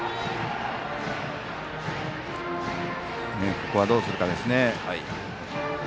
ここはどうするかですね。